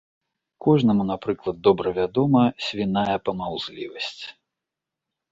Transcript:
Кожнаму, напрыклад, добра вядома свіная памаўзлівасць.